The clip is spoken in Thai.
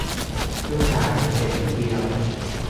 ลูกชายเศรษฐีขี้เหล้า